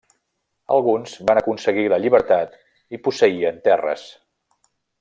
Alguns van aconseguir la llibertat i posseïen terres.